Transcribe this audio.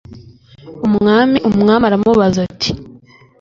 umwami umwami aramubaza ati